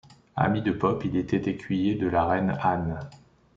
Ami de Pope, il était écuyer de la reine Anne.